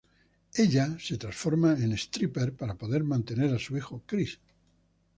Ella se transforma en stripper para poder mantener a su hijo Chris.